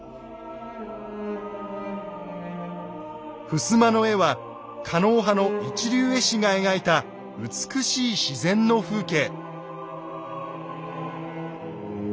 ふすまの絵は狩野派の一流絵師が描いた美しい自然の風景。